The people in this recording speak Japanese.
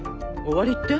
終わりって？